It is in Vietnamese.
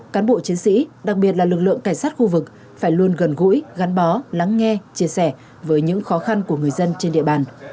cán bộ chiến sĩ đặc biệt là lực lượng cảnh sát khu vực phải luôn gần gũi gắn bó lắng nghe chia sẻ với những khó khăn của người dân trên địa bàn